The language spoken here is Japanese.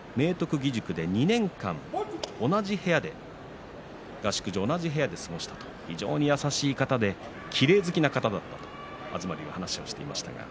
義塾で２年間合宿所同じ部屋で過ごしたという非常に優しい方できれい好きな方だったと東龍は話をしていました。